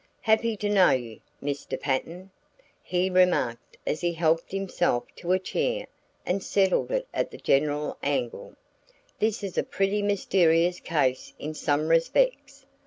"Happy to know you, Mr. Patten," he remarked as he helped himself to a chair and settled it at the general angle. "This is a pretty mysterious case in some respects.